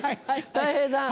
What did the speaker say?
たい平さん。